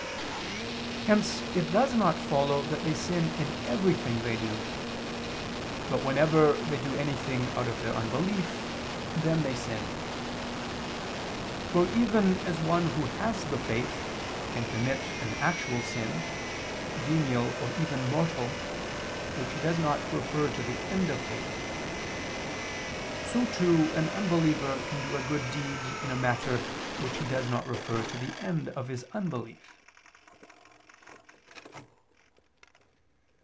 Hence it does not follow that they sin in everything they do; but whenever they do anything out of their unbelief, then they sin. For even as one who has the faith, can commit an actual sin, venial or even mortal, which he does not refer to the end of faith, so too, an unbeliever can do a good deed in a matter which he does not refer to the end of his unbelief.